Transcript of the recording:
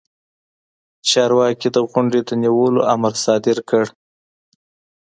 چارواکي د غونډې د نیولو امر صادر کړ.